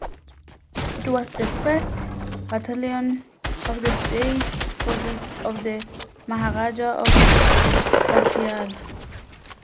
It was the first battalion of the state forces of the Maharaja of Patiala.